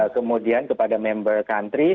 kemudian kepada member country